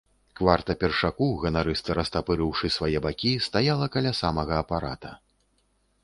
Кварта першаку, ганарыста растапырыўшы свае бакі, стаяла каля самага апарата.